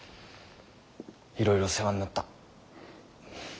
いろいろ世話になった。